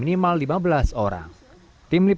pondok pesantren adalah satu dari lima syarat yang harus dimiliki